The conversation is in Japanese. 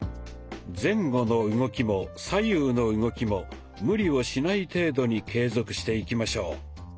前後の動きも左右の動きも無理をしない程度に継続していきましょう。